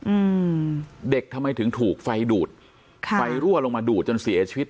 อืมเด็กทำไมถึงถูกไฟดูดค่ะไฟรั่วลงมาดูดจนเสียชีวิต